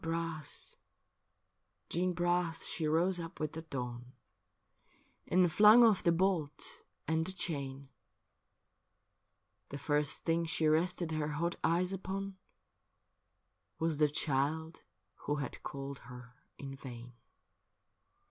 Jeanne Bras, Jeanne Bras, she rose up with the dawn. And flung off the bolt and the chain : The first thing she rested her hot eyes upon Was the child who had called her in vain.